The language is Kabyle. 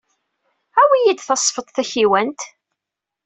Awey-iyi-d tasfeḍt takiwant.